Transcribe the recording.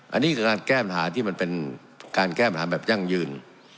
อันนี้คือการแก้ปัญหาที่มันเป็นการแก้ปัญหาแบบยั่งยืน